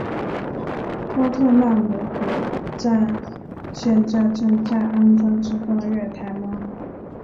托特纳姆谷站现在正在安装自动月台门。